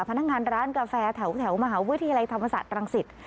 พนักงานร้านกาแฟแถวมหาวิทยาลัยธรรมศาสตร์รังสิต